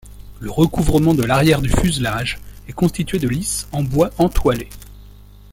Le recouvrement de l'arrière du fuselage est constitué de lisses en bois entoilées.